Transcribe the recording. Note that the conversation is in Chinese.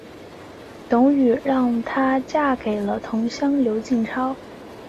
董瑀让她嫁给了同乡刘进超。